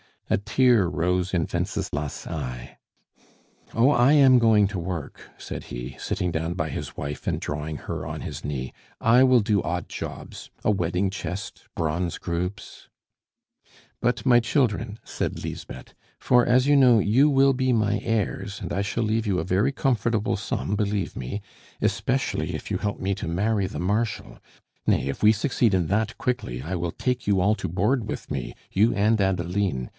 A tear rose in Wenceslas' eye. "Oh, I am going to work," said he, sitting down by his wife and drawing her on to his knee. "I will do odd jobs a wedding chest, bronze groups " "But, my children," said Lisbeth; "for, as you know, you will be my heirs, and I shall leave you a very comfortable sum, believe me, especially if you help me to marry the Marshal; nay, if we succeed in that quickly, I will take you all to board with me you and Adeline.